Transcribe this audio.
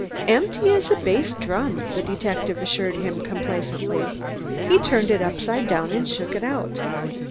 "Empty as a bass drum," the detective assured him complacently. "He turned it upside down and shook it."